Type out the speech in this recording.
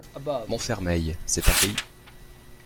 Montfermeil, c'est un pays.